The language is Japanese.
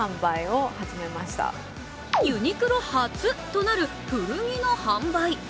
ユニクロ初となる古着の販売。